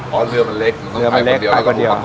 เช่นอาชีพพายเรือขายก๋วยเตี๊ยว